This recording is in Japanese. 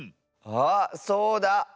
あっそうだ。